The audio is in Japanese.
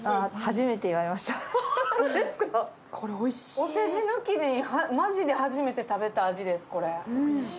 お世辞抜きで、マジで初めて食べた味です、これ。